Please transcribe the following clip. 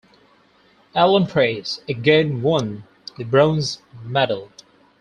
Ellen Preis again won the bronze medal.